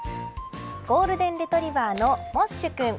ゴールデンレトリバーのモッシュくん。